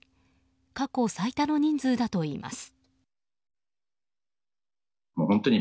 過去最多の人数だといいます。